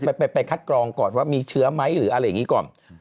ไปไปคัดกรองก่อนว่ามีเชื้อไหมหรืออะไรอย่างนี้ก่อน